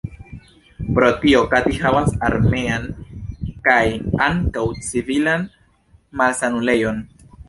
Pro tio Kati havas armean kaj ankaŭ civilan malsanulejon.